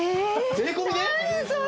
税込みで！？